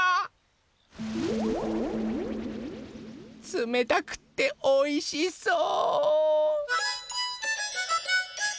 つめたくっておいしそう！